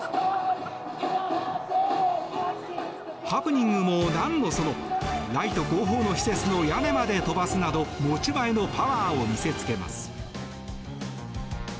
ハプニングも何のそのライト後方の施設の屋根まで飛ばすなど持ち前のパワーを見せつけます。